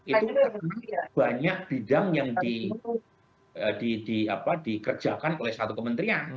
itu karena banyak bidang yang dikerjakan oleh satu kementerian